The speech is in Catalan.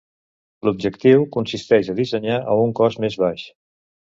L'objectiu consisteix a dissenyar a un cost més baix.